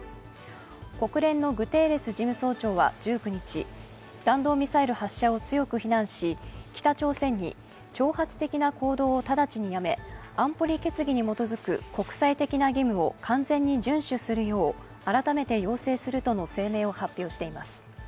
国連のグテーレス事務総長は１９日、弾道ミサイル発射を強く非難し、北朝鮮に挑発的な行動を直ちにやめ安保理決議に基づく国際的な義務を完全に順守するよう改めて要請するとの声明を発表しています。